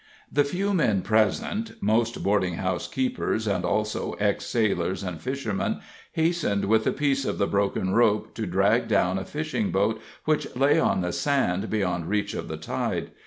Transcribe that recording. The few men present mostly boarding house keepers and also ex sailors and fishermen hastened with a piece of the broken rope to drag down a fishing boat which lay on the sand beyond reach of the tide.